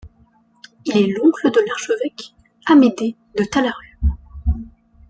Il est l'oncle de l'archevêque Amédée de Talaru.